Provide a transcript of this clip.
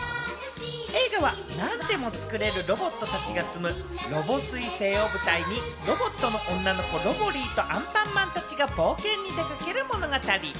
映画は何でも作れるロボットたちが住むロボ彗星を舞台に、ロボットの女の子・ロボリィとアンパンマンたちが冒険に出かける物語。